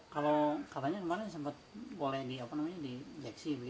kalau katanya kemarin sempat boleh di apa namanya di ejeksi